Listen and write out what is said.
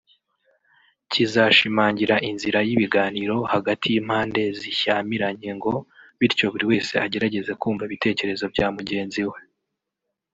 kizashimangira inzira y’ibiganiro hagati y’impande zishyamiranye ngo bityo buri wese agerageze kumva ibitekerezo bya mugenzi we